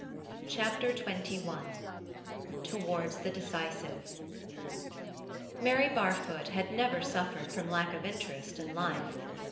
CHAPTER XXI TOWARDS THE DECISIVE Mary Barfoot had never suffered from lack of interest in life.